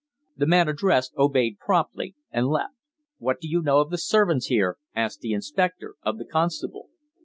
The man addressed obeyed promptly, and left. "What do you know of the servants here?" asked the inspector of the constable.